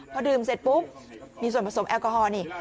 พอดื่มเสร็จปุ๊บมีส่วนผสมแอลกอฮอลนี่